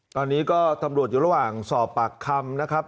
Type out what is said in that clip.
ตอนนี้ก็ตำรวจอยู่ระหว่างสอบปากคำนะครับ